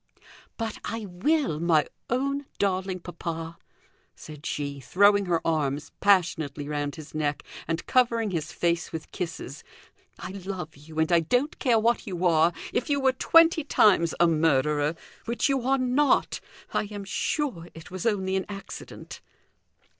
"But I will, my own darling papa," said she, throwing her arms passionately round his neck, and covering his face with kisses. "I love you, and I don't care what you are, if you were twenty times a murderer, which you are not; I am sure it was only an accident."